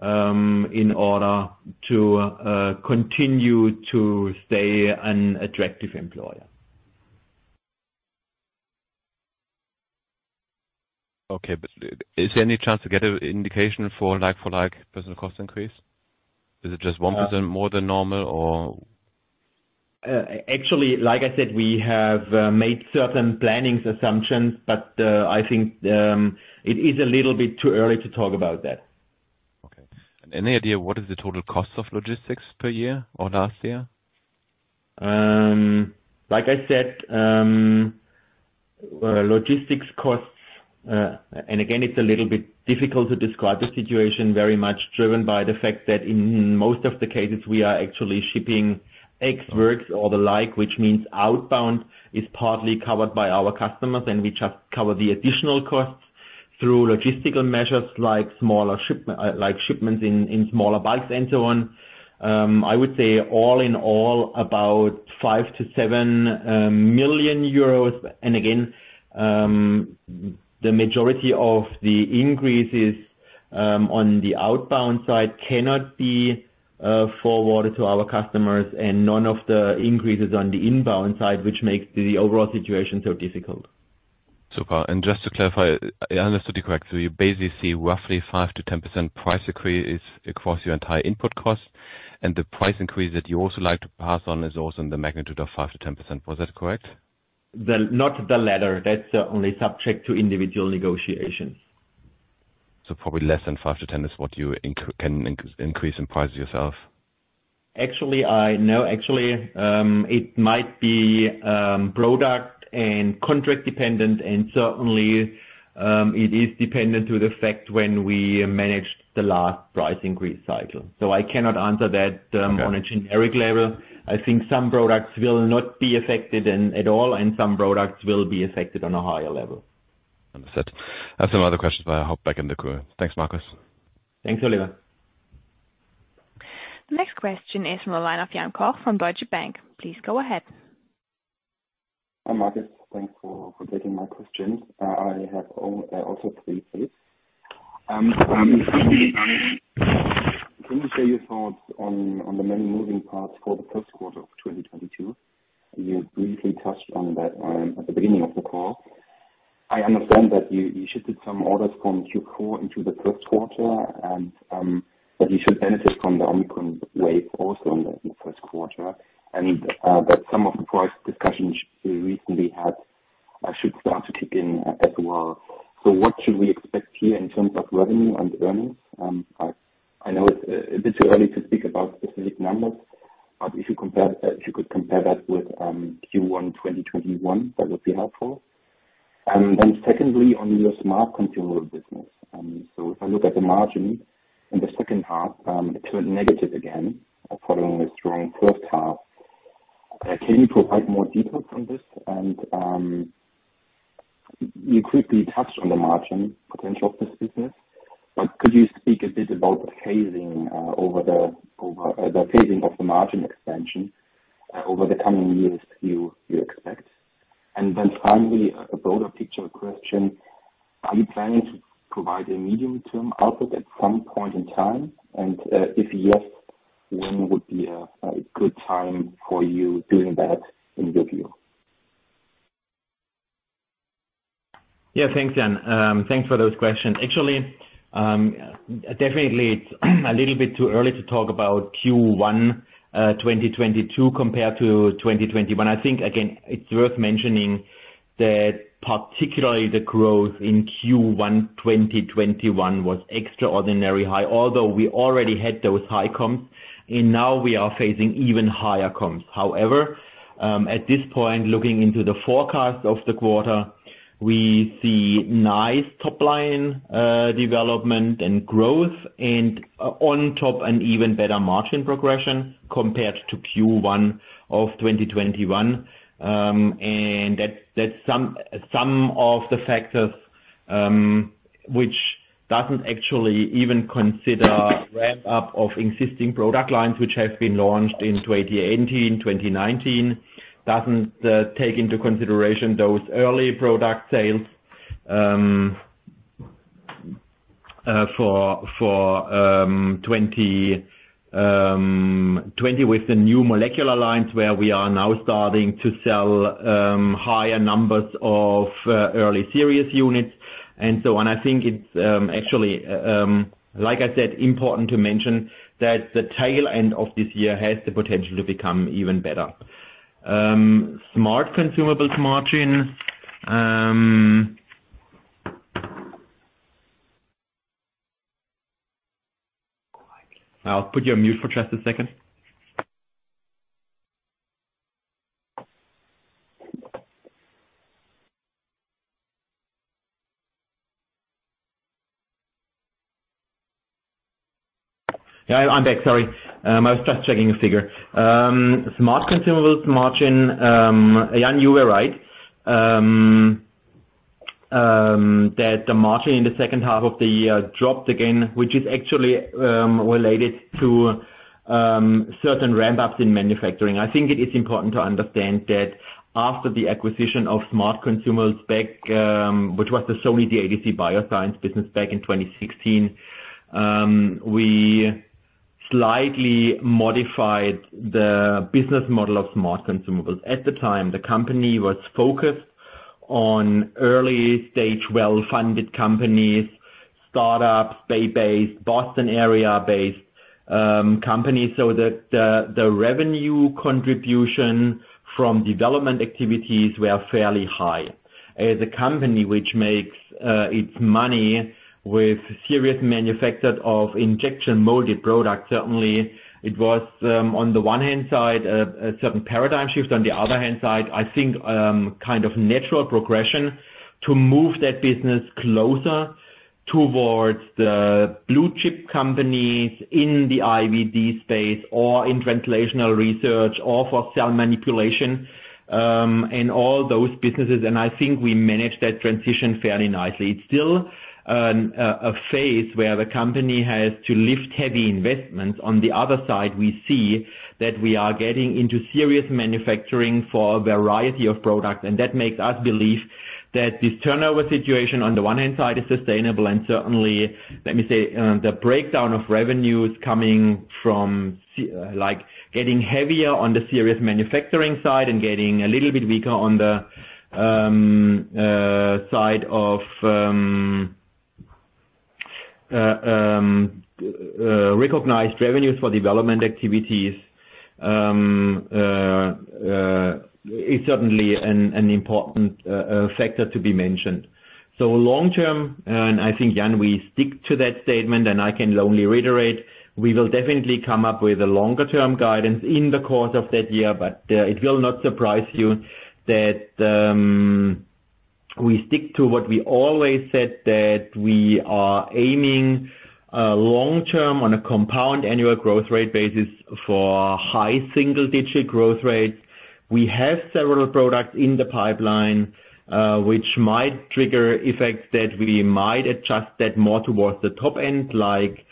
in order to continue to stay an attractive employer. Okay. Is there any chance to get an indication for like-for-like personnel cost increase? Is it just 1% more than normal or? Actually, like I said, we have made certain planning assumptions, but I think it is a little bit too early to talk about that. Okay. Any idea what is the total cost of logistics per year or last year? Like I said, logistics costs, and again, it's a little bit difficult to describe the situation very much driven by the fact that in most of the cases we are actually shipping Ex Works or the like, which means outbound is partly covered by our customers, and we just cover the additional costs through logistical measures like smaller shipments in smaller bikes and so on. I would say all in all, about 5 million to 7 million euros. The majority of the increases on the outbound side cannot be forwarded to our customers and none of the increases on the inbound side, which makes the overall situation so difficult. Super. Just to clarify, I understood you correctly, you basically see roughly 5%-10% price increase across your entire input cost. The price increase that you also like to pass on is also in the magnitude of 5%-10%. Was that correct? Not the latter. That's only subject to individual negotiations. Probably less than 5%-10% is what you can increase in price yourself. Actually, it might be product and contract dependent, and certainly it is dependent on the fact when we managed the last price increase cycle. I cannot answer that on a generic level. I think some products will not be affected at all, and some products will be affected on a higher level. Understood. I have some other questions, but I hope back in the queue. Thanks, Marcus. Thanks, Oliver. The next question is from the line of Jan Koch from Deutsche Bank. Please go ahead. Hi, Marcus. Thanks for taking my questions. I have also three, please. Can you share your thoughts on the many moving parts for the first quarter of 2022? You briefly touched on that at the beginning of the call. I understand that you shipped some orders from Q4 into the first quarter and that you should benefit from the Omicron wave also in the first quarter, and that some of the price discussions you recently had should start to kick in as well. What should we expect here in terms of revenue and earnings? I know it's a bit too early to speak about specific numbers, but if you could compare that with Q1 2021, that would be helpful. Secondly, on your smart consumables business. If I look at the margin in the second half, it turned negative again following a strong first half. Can you provide more detail from this? You quickly touched on the margin potential of this business. Could you speak a bit about the phasing of the margin expansion over the coming years you expect? Finally, a broader picture question, are you planning to provide a medium term output at some point in time? If yes, when would be a good time for you doing that in your view? Yeah, thanks, Jan. Thanks for those questions. Actually, definitely it's a little bit too early to talk about Q1 2022 compared to 2021. I think again, it's worth mentioning that particularly the growth in Q1 2021 was extraordinary high, although we already had those high comps, and now we are facing even higher comps. However, at this point, looking into the forecast of the quarter, we see nice top line development and growth and on top an even better margin progression compared to Q1 of 2021. That's some of the factors which doesn't actually even consider ramp up of existing product lines which have been launched in 2018, 2019. It doesn't take into consideration those early product sales for 2020 with the new molecular lines where we are now starting to sell higher numbers of early series units and so on. I think it's actually, like I said, important to mention that the tail end of this year has the potential to become even better. Smart consumables margin. Quietly. I'll put you on mute for just a second. Yeah, I'm back. Sorry. I was just checking a figure. smart consumables margin, Jan, you were right. that the margin in the second half of the year dropped again, which is actually related to certain ramp-ups in manufacturing. I think it is important to understand that after the acquisition of smart consumables back, which was the Sony DADC BioSciences business back in 2016, we slightly modified the business model of smart consumables. At the time, the company was focused on early-stage, well-funded companies, startups, Bay Area-based, Boston area-based companies so that the revenue contribution from development activities were fairly high. As a company which makes its money with serial manufacture of injection molded products. Certainly it was on the one-hand side a certain paradigm shift. On the other hand side, I think, kind of natural progression to move that business closer towards the blue-chip companies in the IVD space or in translational research or for cell manipulation, and all those businesses. I think we managed that transition fairly nicely. It's still a phase where the company has to lift heavy investments. On the other side, we see that we are getting into serious manufacturing for a variety of products, and that makes us believe that this turnover situation on the one-hand side is sustainable. Certainly, let me say, the breakdown of revenues coming from services like getting heavier on the systems manufacturing side and getting a little bit weaker on the side of recognized revenues for development activities is certainly an important factor to be mentioned. Long term, I think, Jan, we stick to that statement, and I can only reiterate, we will definitely come up with a longer term guidance in the course of that year. It will not surprise you that we stick to what we always said, that we are aiming long term on a compound annual growth rate basis for high single-digit growth rates. We have several products in the pipeline, which might trigger effects that we might adjust that more towards the top end, like,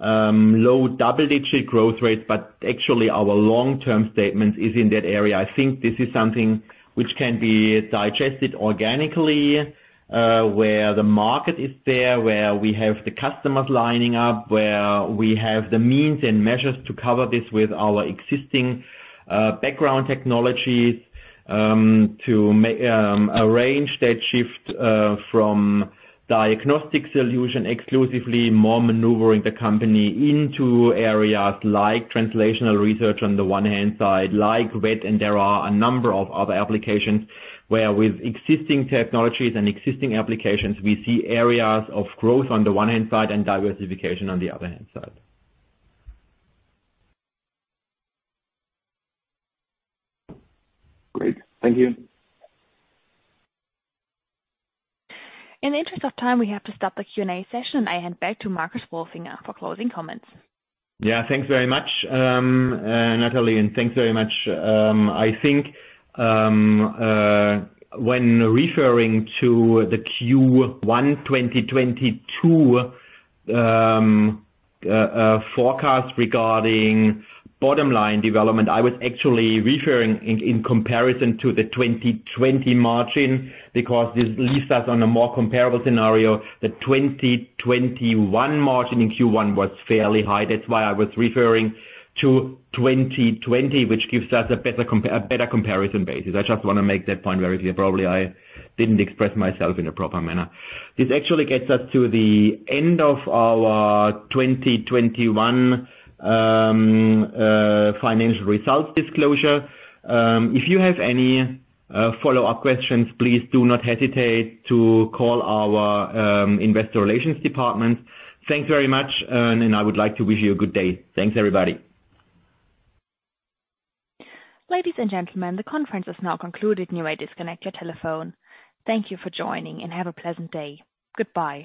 low double-digit growth rate. But actually our long-term statement is in that area. I think this is something which can be digested organically, where the market is there, where we have the customers lining up, where we have the means and measures to cover this with our existing, background technologies, to arrange that shift, from diagnostic solution exclusively more maneuvering the company into areas like translational research on the one hand, like, with. There are a number of other applications where with existing technologies and existing applications, we see areas of growth on the one hand and diversification on the other hand. Great. Thank you. In the interest of time, we have to stop the Q&A session. I hand back to Marcus Wolfinger for closing comments. Yeah, thanks very much, Natalie, and thanks very much. I think when referring to the Q1 2022 forecast regarding bottom line development, I was actually referring in comparison to the 2020 margin because this leaves us on a more comparable scenario. The 2021 margin in Q1 was fairly high. That's why I was referring to 2020, which gives us a better comparison basis. I just wanna make that point very clear. Probably I didn't express myself in a proper manner. This actually gets us to the end of our 2021 financial results disclosure. If you have any follow-up questions, please do not hesitate to call our investor relations department. Thanks very much and I would like to wish you a good day. Thanks everybody. Ladies and gentlemen, the conference is now concluded. You may disconnect your telephone. Thank you for joining and have a pleasant day. Goodbye.